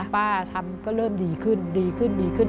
ป้าทำก็เริ่มดีขึ้นดีขึ้นดีขึ้น